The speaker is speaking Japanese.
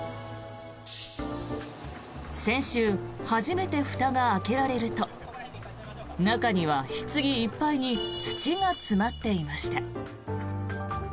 先週、初めてふたが開けられると中には、ひつぎいっぱいに土が詰まっていました。